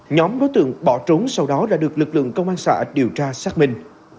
nhóm đối tượng bỏ trốn sau đó đã được lực lượng công an xã điều tra xác minh